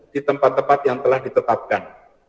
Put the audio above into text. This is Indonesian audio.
di tempat tempat yang telah ditetapkan